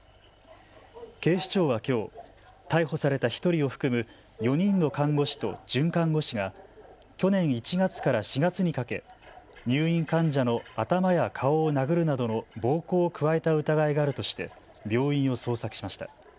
警視庁はきょう逮捕された１人を含む４人の看護師と准看護師が去年１月から４月にかけ入院患者の頭や顔を殴るなどの暴行を加えた疑いがあるとして病院を捜索しました。